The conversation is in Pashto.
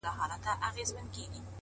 چي پیدا به یو زمری پر پښتونخوا سي-